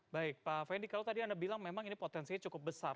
baik pak fendi kalau tadi anda bilang memang ini potensinya cukup besar